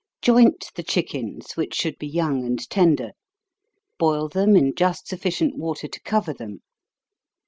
_ Joint the chickens, which should be young and tender boil them in just sufficient water to cover them.